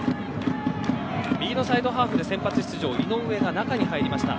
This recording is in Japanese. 右のサイドハーフで先発出場の井上が中に入りました。